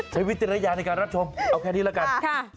ใช้วิทยาลัยในการรับชมเอาแค่นี้ละกัน